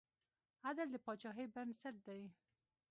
عدل د پاچاهۍ بنسټ دی.